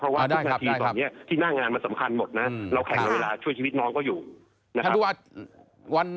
เพราะว่าทุกนาทีตอนนี้ที่หน้างานมันสำคัญหมดนะเราแข่งกับเวลาช่วยชีวิตน้องเขาอยู่นะครับ